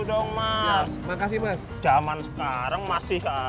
suju kata kata pas banget nih kita ngomongin kristal sebelumnya kita maunya ya bako duh atau